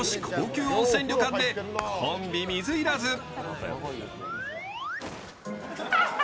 高級温泉旅館でコンビ水入らず。